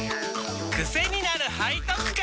クセになる背徳感！